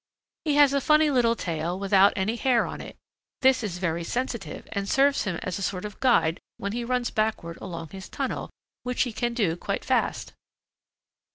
He has a funny little tail without any hair on it; this is very sensitive and serves him as a sort of guide when he runs backward along his tunnel, which he can do quite fast.